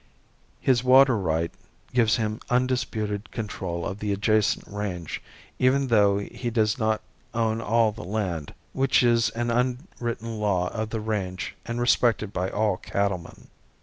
His water right gives him undisputed control of the adjacent range, even though he does not own all the land, which is an unwritten law of the range and respected by all cattlemen.